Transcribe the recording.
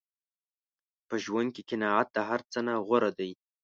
په ژوند کې قناعت د هر څه نه غوره دی.